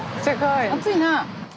暑いなあ。